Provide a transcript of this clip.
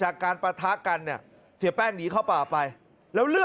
หาวหาวหาวหาวหาวหาวหาวหาวหาวหาว